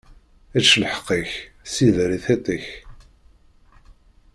Ečč lḥeqq-ik, sider i tiṭ-ik.